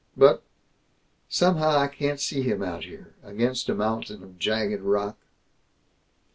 But Somehow I can't see him out here, against a mountain of jagged rock."